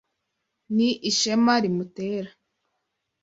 Ni ishema rimutera.